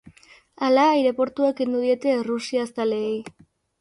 Hala, aireportua kendu diete errusiazaleei.